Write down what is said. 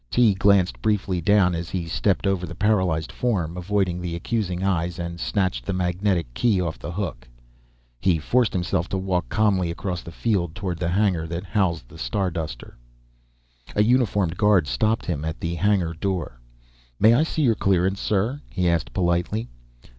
Tee glanced briefly down as he stepped over the paralyzed form, avoiding the accusing eyes, and snatched the magnetic key off the hook. He forced himself to walk calmly across the field toward the hangar that housed the Starduster. A uniformed guard stopped him at the hangar door. "May I see your clearance, sir?" he asked, politely.